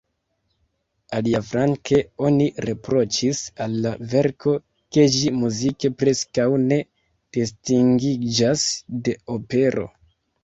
Aliaflanke oni riproĉis al la verko, ke ĝi muzike preskaŭ ne distingiĝas de opero.